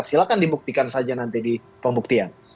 silahkan dibuktikan saja nanti di pembuktian